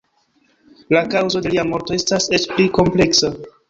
La kaŭzo de lia morto estas eĉ pli kompleksa.